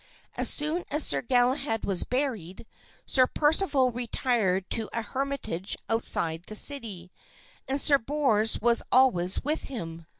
As soon as Sir Galahad was buried, Sir Percival retired to a hermitage outside the city and Sir Bors was always with him.